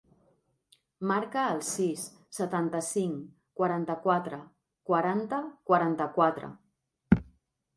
Marca el sis, setanta-cinc, quaranta-quatre, quaranta, quaranta-quatre.